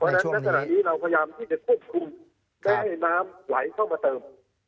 เพราะฉะนั้นเราพยายามที่จะควบคุมให้น้ำขวายเข้ามาเติม